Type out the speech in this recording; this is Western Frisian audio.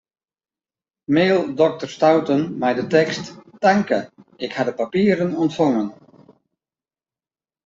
Mail dokter Stouten mei de tekst: Tanke, ik ha de papieren ûntfongen.